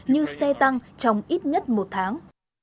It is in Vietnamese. như xe tăng trong ít nhất một tháng